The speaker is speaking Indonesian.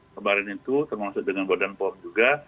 kemarin itu termasuk dengan badan pom juga